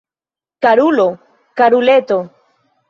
Karulo, karuleto!